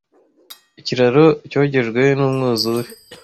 Ikiraro cyogejwe numwuzure.